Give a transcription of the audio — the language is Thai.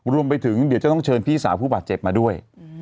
เดี๋ยวจะต้องเชิญพี่สาวผู้บาดเจ็บมาด้วย